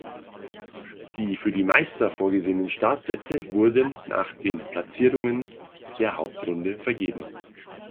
Die für die Meister vorgesehenen Startplätze wurden nach den Platzierungen der Hauptrunde vergeben.